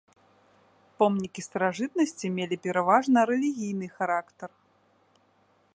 Помнікі старажытнасці мелі пераважна рэлігійны характар.